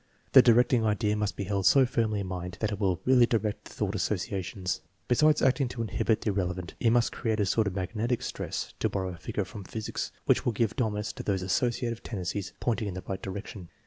The directing idea must be held so firmly in mind that it will really direct the thought asso ciations. Besides acting to inhibit the irrelevant, it must create a sort of magnetic stress (to borrow a figure from physics) which will give dominance to those associative tendencies pointing in the right direction.